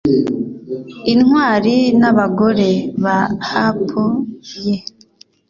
intwali n'abagore ba hapu ye